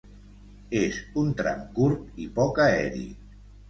És un tram curt i poc aeri.